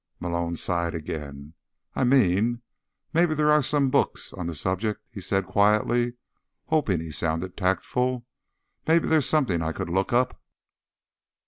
Malone sighed again. "I mean, maybe there are some books on the subject," he said quietly, hoping he sounded tactful. "Maybe there's something I could look up."